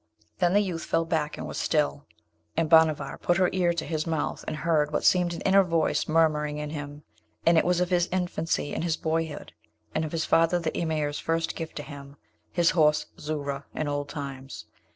Then the youth fell back and was still; and Bhanavar put her ear to his mouth, and heard what seemed an inner voice murmuring in him, and it was of his infancy and his boyhood, and of his father the Emir's first gift to him, his horse Zoora, in old times.